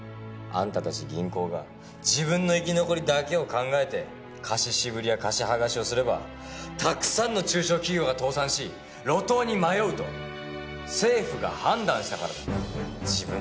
あんたたち銀行が自分の生き残りだけを考えて貸し渋りや貸し剥がしをすればたくさんの中小企業が倒産し路頭に迷うと政府が判断したからだ。